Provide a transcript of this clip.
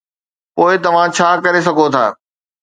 پوء توهان ڇا ڪري سگهو ٿا؟